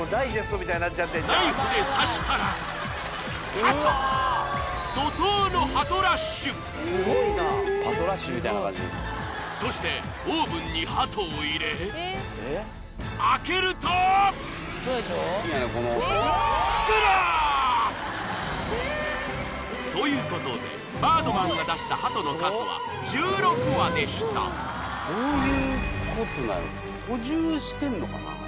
これナイフで刺したらハトすごいなパトラッシュみたいな感じそしてオーブンにハトを入れ開けるとうわ！ということでバードマンが出したハトの数は１６羽でした補充してんのかな